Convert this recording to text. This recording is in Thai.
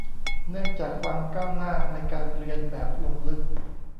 เนื่องจากความก้าวหน้าในการเรียนแบบลงลึก